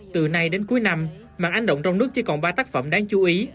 từ nay đến cuối năm mạng ánh động trong nước chỉ còn ba tác phẩm đáng chú ý